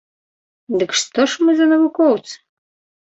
Дык што ж мы за навукоўцы?